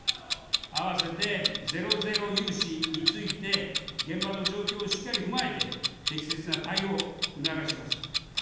あわせてゼロゼロ融資について、現場の状況をしっかり踏まえて、適切な対応を促します。